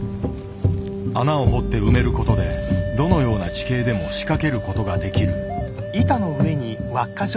穴を掘って埋めることでどのような地形でも仕掛けることができる。